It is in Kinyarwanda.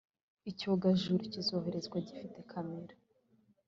Icyogajuru kizoherezwa gifite kamera